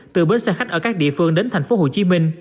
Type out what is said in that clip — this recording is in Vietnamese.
từ bến xe khách ở các địa phương đến tp hcm